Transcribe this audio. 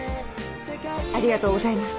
ありがとうございます。